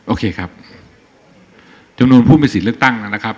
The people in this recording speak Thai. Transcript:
โอเคครับจำนวนผู้มีสิทธิ์เลือกตั้งนะครับ